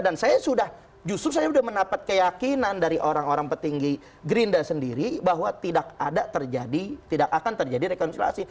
dan saya sudah justru saya sudah mendapat keyakinan dari orang orang petinggi gerinda sendiri bahwa tidak ada terjadi tidak akan terjadi rekonsiliasi